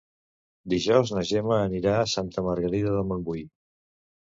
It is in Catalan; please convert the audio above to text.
Dijous na Gemma anirà a Santa Margarida de Montbui.